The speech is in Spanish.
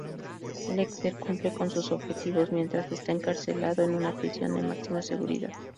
Lecter cumple con sus objetivos mientras está encarcelado en una prisión de máxima seguridad.